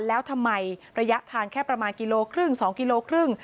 แล้วทำไมระยะทางแค่ประมาณกิโลครึ่ง๒กิโลครึ่ง